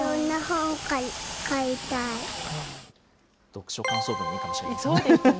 読書感想文にいいかもしれないですね。